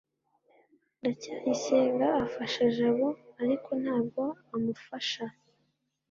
ndacyayisenga afasha jabo, ariko ntabwo amufasha